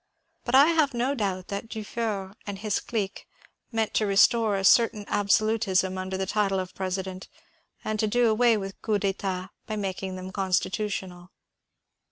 But I have no doubt that Dufaure and his clique meant to restore a certain absolutism under the title of IVe sident, and to do away with coups d'etat by making them constitutional.